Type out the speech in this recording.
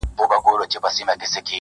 زه به يې ياد يم که نه _